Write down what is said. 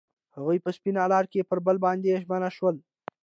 هغوی په سپین لاره کې پر بل باندې ژمن شول.